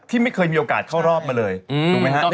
ไม่เคยมีโอกาสเข้ารอบมาเลยถูกไหมฮะ